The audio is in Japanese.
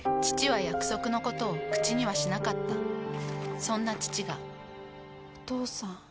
父は約束のことを口にはしなかったそんな父がお父さん。